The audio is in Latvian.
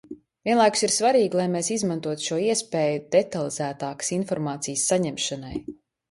Vienlaikus ir svarīgi, lai mēs izmantotu šo iespēju detalizētākas informācijas saņemšanai.